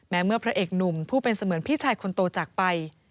เมื่อพระเอกหนุ่มผู้เป็นเสมือนพี่ชายคนโตจากไป